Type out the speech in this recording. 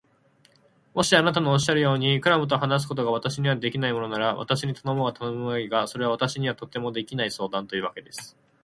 もしあなたのおっしゃるように、クラムと話すことが私にはできないものなら、私に頼もうが頼むまいが、それは私にはとてもできない相談というわけです。